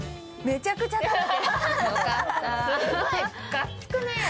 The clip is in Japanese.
がっつくね。